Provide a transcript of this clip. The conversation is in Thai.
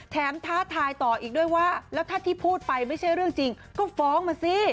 ท้าทายต่ออีกด้วยว่าแล้วถ้าที่พูดไปไม่ใช่เรื่องจริงก็ฟ้องมาสิ